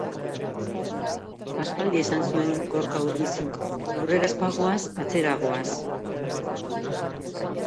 Aspaldi esan zuen Gorka Urbizuk: aurrera ez bagoaz atzera goaz"